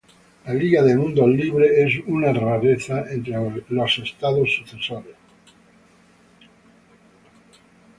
La Liga de Mundos Libres es una rareza entre los estados sucesores.